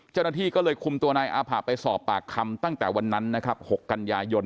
เจ้าหน้าที่ก็เลยคุมตัวนายอาผะไปสอบปากคำตั้งแต่วันนั้นนะครับ๖กันยายน